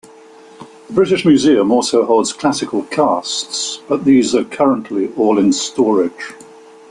The British Museum also holds classical casts, but these are currently all in storage.